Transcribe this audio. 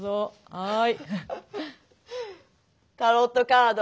はい。